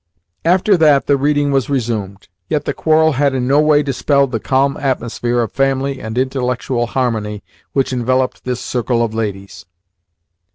After that the reading was resumed. Yet the quarrel had in no way dispelled the calm atmosphere of family and intellectual harmony which enveloped this circle of ladies.